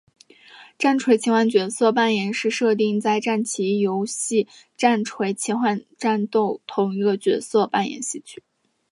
战锤奇幻角色扮演是设定在战棋游戏战锤奇幻战斗同一个世界的角色扮演游戏。